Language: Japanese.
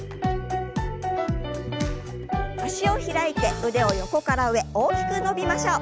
脚を開いて腕を横から上大きく伸びましょう。